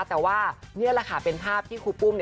แต่ว่านี่แหละค่ะเป็นภาพที่ครูปุ้ม